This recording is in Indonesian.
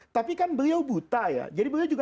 tapi kan beliau buta ya jadi beliau juga